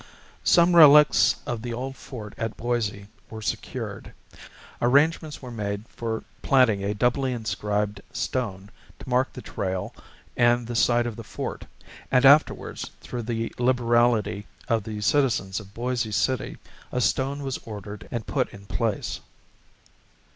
Some relics of the old fort at Boise were secured. Arrangements were made for planting a doubly inscribed stone to mark the trail and the site of the fort, and afterwards, through the liberality of the citizens of Boise City, a stone was ordered and put in place.